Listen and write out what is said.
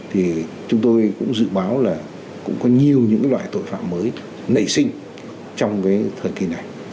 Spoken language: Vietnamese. thì chúng tôi cũng dự báo là cũng có nhiều những loại tội phạm mới nảy sinh trong cái thời kỳ này